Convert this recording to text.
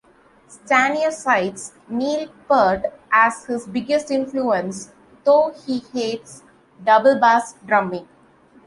Stanier cites Neil Peart as his biggest influence, though he hates double bass drumming.